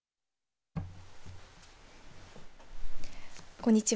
こんにちは。